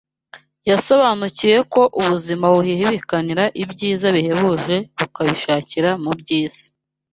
yasobanukiwe ko ubuzima buhihibikanira ibyiza bihebuje bukabishakira mu by’isi